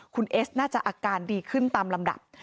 คุณเอสน่าจะอาการดีขึ้นตามลำดับ